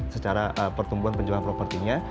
secara pertumbuhan penjualan propertinya